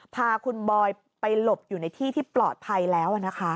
พาคุณบอยไปหลบอยู่ในที่ที่ปลอดภัยแล้วนะคะ